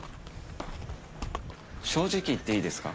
正直言っていいですか？